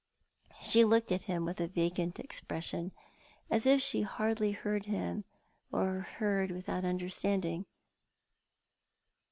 She looked at him with a vacant expression, as if she hardly heard him, or heard without understanding.